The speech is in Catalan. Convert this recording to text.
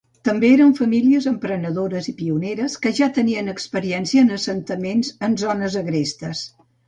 També eren famílies emprenedores i pioneres que ja tenien experiència en assentaments en zones agrestes.